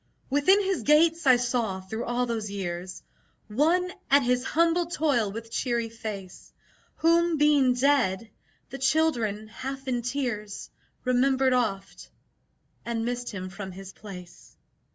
Within his gates I saw, through all those years, One at his humble toil with cheery face, Whom (being dead) the children, half in tears, Remembered oft, and missed him from his place.